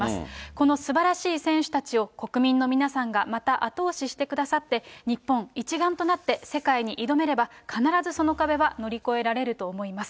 このすばらしい選手たちを、国民の皆さんがまた後押ししてくださって、日本一丸となって世界に挑めれば、必ずその壁は乗り越えられると思います。